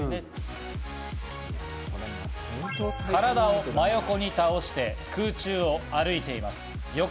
体を真横に倒して空中を歩いています。